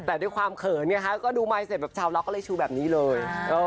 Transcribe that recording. แต่ด้วยความเขินไงคะก็ดูไมค์เสร็จแบบชาวล็อกก็เลยชูแบบนี้เลย